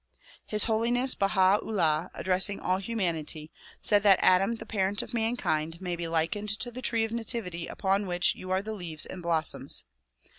His Holiness Baha 'Ullah addressing all humanity, said that Adam the parent of mankind may be likened to the tree of nativity upon which you are the leaves and blossoms.